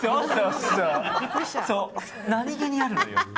何気にあるのよ。